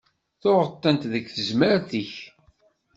Tuɣeḍ-tent deg tezmert-ik.